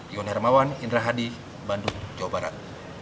ion hermawan indra hadi bandung jawa barat